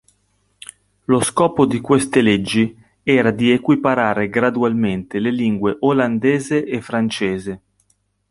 Lo scopo di queste leggi era di equiparare gradualmente le lingue olandese e francese.